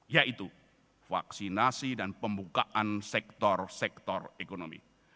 yaitu vaksinasi dan pembukaan sektor sektor ekonomi